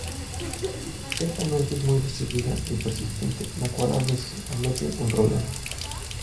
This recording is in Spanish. Ciertamente es muy decidida y persistente la cual a veces la meten en problemas.